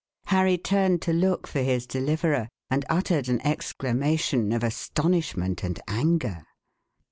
Harry turned to look for his deliverer, and uttered an exclamation of astonishment and anger.